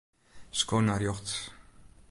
Sko nei rjochts.